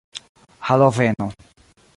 haloveno